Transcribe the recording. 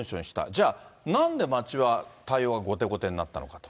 じゃあ、なんで町は対応が後手後手になったのかと。